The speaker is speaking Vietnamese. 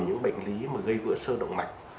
những bệnh lý mà gây vữa sơ động mạch